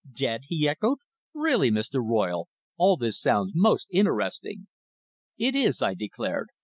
"Dead!" he echoed. "Really, Mr. Royle, all this sounds most interesting." "It is," I declared.